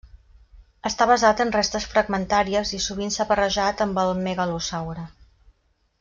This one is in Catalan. Està basat en restes fragmentàries i sovint s'ha barrejat amb el megalosaure.